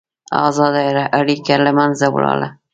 ازاده اړیکه له منځه ولاړه.